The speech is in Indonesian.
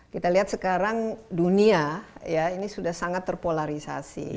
kita lihat sekarang dunia ya ini sudah sangat terpolarisasi